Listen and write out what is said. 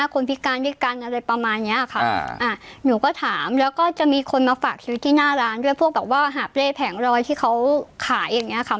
คนพิการด้วยกันอะไรประมาณเนี้ยค่ะอ่าหนูก็ถามแล้วก็จะมีคนมาฝากชีวิตที่หน้าร้านด้วยพวกแบบว่าหาเปรย์แผงรอยที่เขาขายอย่างเงี้ค่ะ